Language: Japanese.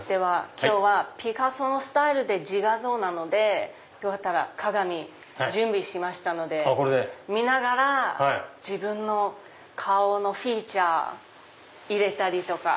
今日はピカソのスタイルで自画像なので鏡準備しましたので見ながら自分の顔のフィーチャー入れたりとか。